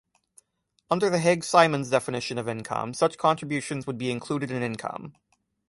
Under the Haig-Simons definition of income, such contributions would be included in income.